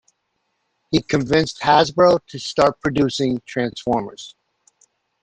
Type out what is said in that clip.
He convinced Hasbro to start producing Transformers.